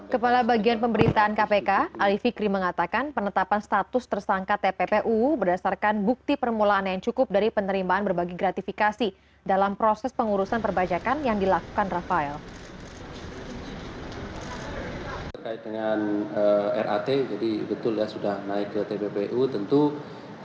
kepala bagian pemberitaan kpk alif fikri mengatakan penetapan status tersangka tppu berdasarkan bukti permulaan yang cukup dari penerimaan berbagi gratifikasi dalam proses pengurusan perbajakan yang dilakukan rafael